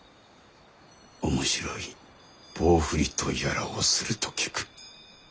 面白い棒振りとやらをすると聞く。